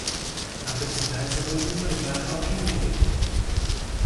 A felicidade só pode nos levar ao que nos deu.